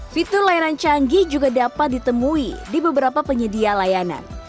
fitur layanan canggih juga dapat ditemui di beberapa penyedia layanan